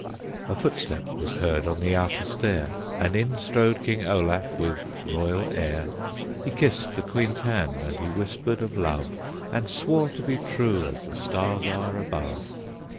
A footstep was heard on the outer stair, And in strode King Olaf with royal air. He kissed the Queen's hand, and he whispered of love, And swore to be true as the stars are above.